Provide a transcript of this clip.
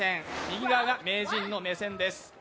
右側が名人の目線です。